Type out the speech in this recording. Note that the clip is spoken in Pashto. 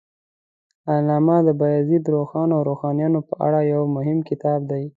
حالنامه د بایزید روښان او روښانیانو په اړه یو مهم کتاب دی.